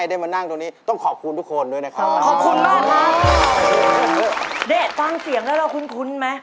ได้ฟังเสียงแล้วเราคุ้นไหม